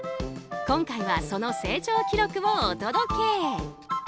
今回はその成長記録をお届け。